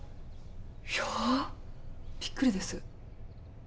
いや？びっくりです。